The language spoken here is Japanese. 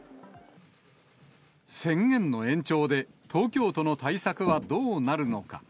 宣言の延長で、東京都の対策はどうなるのか。